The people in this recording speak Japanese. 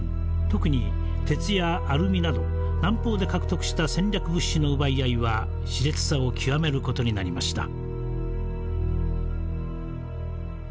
特に鉄やアルミなど南方で獲得した戦略物資の奪い合いはしれつさを極める事になりました。